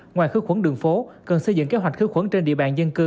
ngoài khử khuẩn đường phố cần xây dựng kế hoạch khử khuẩn trên địa bàn dân cư